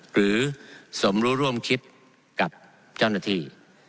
หรือสมรู้ร่วมคิดกับเจ้าหน้าที่